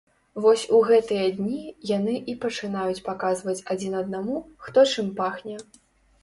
Вось у гэтыя дні яны і пачынаюць паказваць адзін аднаму, хто чым пахне.